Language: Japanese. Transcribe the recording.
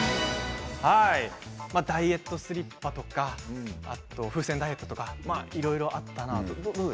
ダイエットスリッパとか風船ダイエットとかいろいろあったなと。